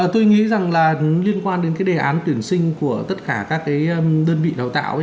tôi nghĩ rằng là liên quan đến cái đề án tuyển sinh của tất cả các cái đơn vị đào tạo